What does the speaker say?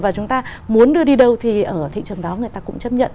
và chúng ta muốn đưa đi đâu thì ở thị trường đó người ta cũng chấp nhận